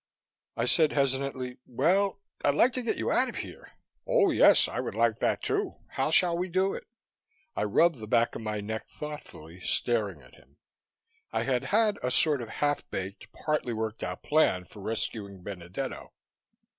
I said hesitantly, "Well, I'd like to get you out of here...." "Oh, yes. I would like that, too. How shall we do it?" I rubbed the back of my neck thoughtfully, staring at him. I had had a sort of half baked, partly worked out plan for rescuing Benedetto.